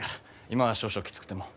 今は少々きつくても。